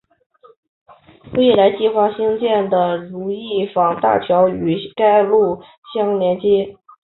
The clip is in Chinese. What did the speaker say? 未来计划兴建的如意坊大桥与该路相连接。